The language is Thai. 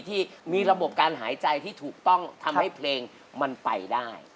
ที่มีระบบการหายใจที่ถูกต้องทำให้เพลงมันไปได้